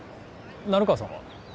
成川さんは？